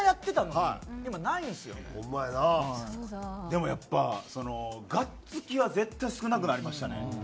でもやっぱりそのがっつきは絶対少なくなりましたね。